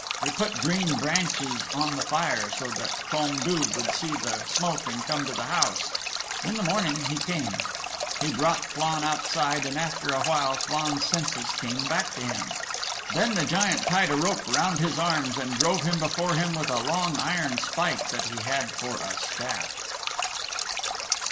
They put green branches on the fire so that Crom Duv would see the smoke and come to the house. In the morning he came. He brought Flann outside, and after awhile Flann's senses came back to him. Then the Giant tied a rope round his arms and drove him before him with a long iron spike that he had for a staff.